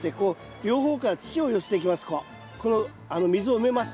この溝を埋めます。